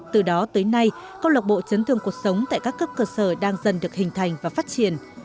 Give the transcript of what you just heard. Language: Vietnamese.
từ đó tới nay câu lạc bộ chấn thương cuộc sống tại các cấp cơ sở đang dần được hình thành và phát triển